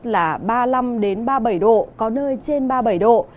là ba mươi năm ba mươi bảy độ có nơi trên ba mươi bảy độ